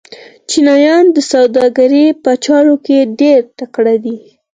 چینایان د سوداګرۍ په چارو کې ډېر تکړه دي.